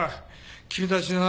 君たちな